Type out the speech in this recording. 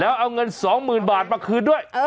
แล้วเอาเงิน๒๐๐๐บาทมาคืนด้วย